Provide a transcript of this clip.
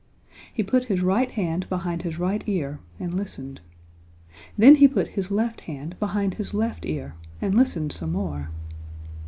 He put his right hand behind his right ear and listened. Then he put his left hand behind his left ear and listened some more.